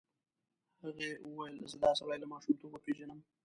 هغې وویل زه دا سړی له ماشومتوبه پېژنم.